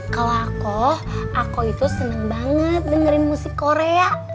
kalau aku aku itu senang banget dengerin musik korea